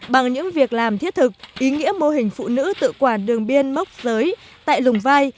bằng những việc làm thiết thực ý nghĩa mô hình phụ nữ tự quản đường biên mốc giới tại lùng vai